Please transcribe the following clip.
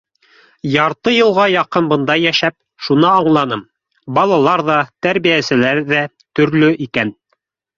Ярты йылға яҡын бында йәшәп, шуны аңланым: балалар ҙа, тәрбиәселәр ҙә төрлө икән.